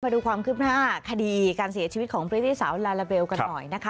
ดูความคืบหน้าคดีการเสียชีวิตของพริตตี้สาวลาลาเบลกันหน่อยนะคะ